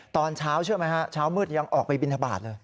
ตอนเช้าเชื่อไหมฮะเช้ามืดยังออกไปบินทบาทเลย